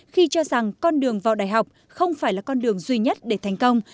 khi cho rằng con đường vào đại học không phải là con đường duy nhất để thành công